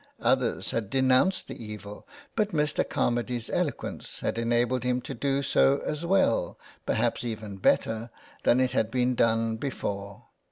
Others had denounced the evil, but Mr. Carmady 's eloquence had enabled him to do so as well, perhaps even better than it had been done before.